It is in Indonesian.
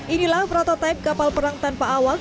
inilah prototipe kapal perang tanpa awak